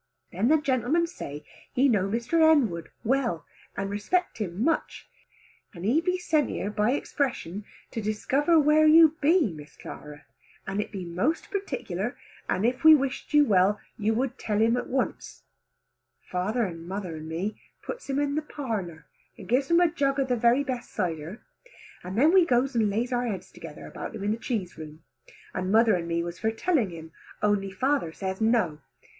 Then the gentleman say he know Mr. Henwood well, and respect him much, and he be sent here by expression to discover where you be Miss Clara, and it be most particular, and if we wished you well, us would tell him to once. Father and mother and me puts him in the parlour and gives him a jug of the very best cider, and then we goes and lays our heads together about him in the cheese room, and mother and me was for telling him, only father say no.